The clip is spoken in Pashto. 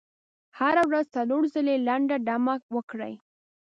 هره ورځ څلور ځلې لنډه دمه وکړئ.